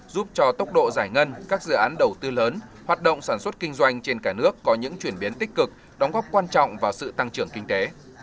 giúp cho tốc độ giải ngân các dự án đầu tư lớn hoạt động sản xuất kinh doanh trên cả nước có những chuyển biến tích cực đóng góp quan trọng vào sự tăng trưởng kinh tế